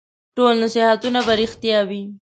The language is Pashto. ټول نصیحتونه به رېښتیا وي ؟